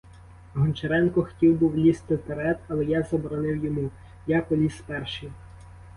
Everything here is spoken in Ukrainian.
Гончаренко хтів був лізти вперед, але я заборонив йому, я поліз перший.